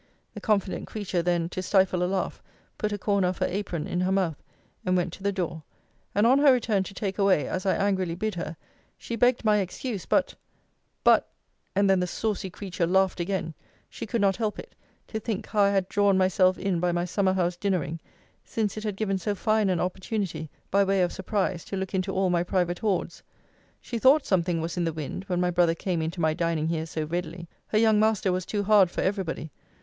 The confident creature then, to stifle a laugh, put a corner of her apron in her mouth, and went to the door: and on her return to take away, as I angrily bid her, she begged my excuse but but and then the saucy creature laughed again, she could not help it, to think how I had drawn myself in by my summer house dinnering, since it had given so fine an opportunity, by way of surprise, to look into all my private hoards. She thought something was in the wind, when my brother came into my dining here so readily. Her young master was too hard for every body.